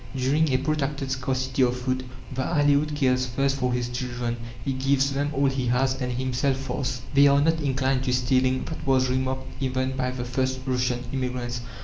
During a protracted scarcity of food, the Aleoute cares first for his children; he gives them all he has, and himself fasts. They are not inclined to stealing; that was remarked even by the first Russian immigrants.